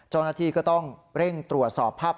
เจ้าหน้าที่ก็ต้องเร่งตรวจสอบภาพ